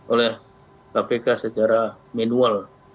oleh kpk secara manual